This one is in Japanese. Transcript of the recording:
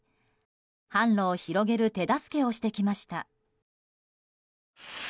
販路を広げる手助けをしてきました。